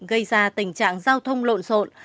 gây ra tình trạng giao thông lộn rộn